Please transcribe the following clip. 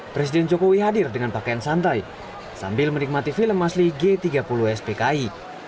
presiden jokowi hadir dengan pakaian santai sambil menikmati film asli g tiga puluh spki